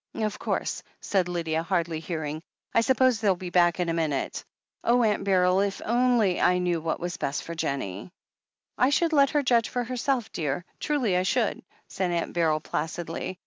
"Of course," said Lydia, hardly hearing. "I suppose they'll be back in a minute. Oh, Aimt Beryl — if only I knew what was best for Jennie." "I should let her judge for herself, dear — ^truly I should," said Aunt Beryl placidly.